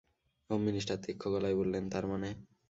Home minister তীক্ষ্ণ গলায় বললেন, তার মানে?